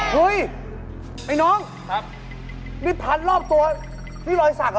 เฮ้ยไอ้น้องนี่ผันรอบตัวนี่รอยสักหรือ